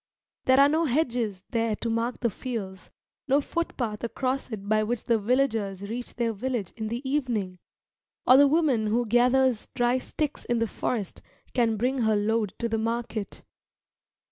There are no hedges there to mark the fields, no footpath across it by which the villagers reach their village in the evening, or the woman who gathers dry sticks in the forest can bring her load to the market.